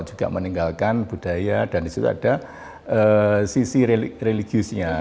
juga meninggalkan budaya dan disitu ada sisi religiusnya